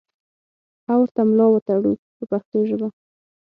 او ورته ملا وتړو په پښتو ژبه.